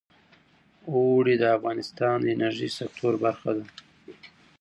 اوړي د افغانستان د انرژۍ سکتور برخه ده.